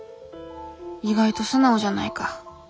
意外と素直じゃないか。